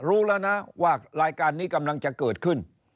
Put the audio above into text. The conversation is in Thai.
รู้แล้วนะว่ารายการนี้กำลังจะเกิดขึ้น